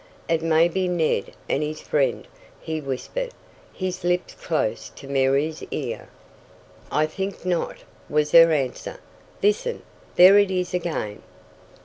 "It may be Ned and his friend," he whispered, his lips close to Mary's ear. "I think not," was her answer. "Listen; there it is again."